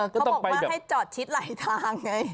เขาบอกว่าให้จอดชิดหลายทางไง